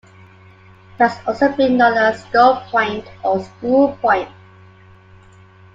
It has also been known as "Skull Point" or "School Point".